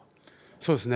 そうですね。